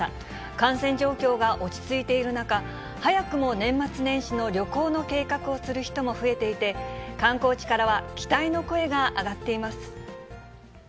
感染状況が落ち着いている中、早くも年末年始の旅行の計画をする人も増えていて、観光地からは期待の声が上がっています。